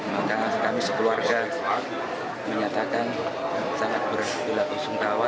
tangan kami sekeluarga menyatakan sangat berkela kela kesungkawa